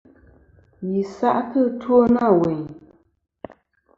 Yi sa'tɨ ɨtwo na weyn.